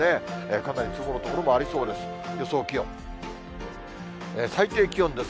かなり積もる所もありそうです。